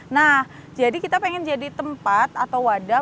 nah jadi kita pengen jadi tempat atau wadah